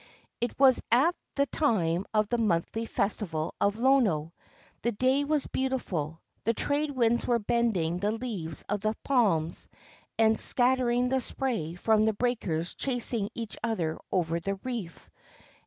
It was at the time of the monthly festival of Lono. The day was beautiful. The trade winds were bending the leaves of the palms and scattering the spray from the breakers chasing each other over the reef.